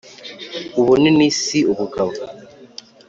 Ubunini si ubugabo.